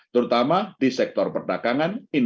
terutama di sektor perdagangan